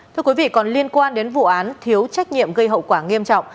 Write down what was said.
thưa quý vị còn liên quan đến vụ án thiếu trách nhiệm gây hậu quả nghiêm trọng